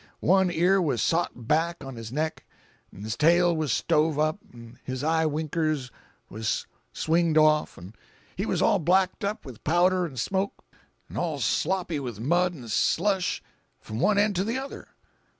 One ear was sot back on his neck, 'n' his tail was stove up, 'n' his eye winkers was swinged off, 'n' he was all blacked up with powder an' smoke, an' all sloppy with mud 'n' slush f'm one end to the other.